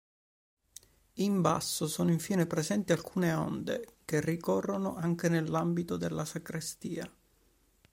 In basso, sono infine presenti alcune onde, che ricorrono anche nell'ambito della sacrestia.